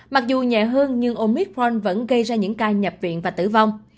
mặc dù nhẹ hơn nhưng omicron vẫn gây ra những ca nhập viện và tử vong